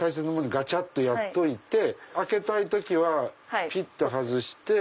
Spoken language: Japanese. ガチャっとやっといて開けたい時はピッと外して。